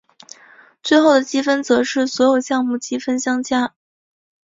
最后的积分则是所有项目积分相加。